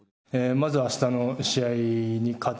まずあしたの試合に勝つ。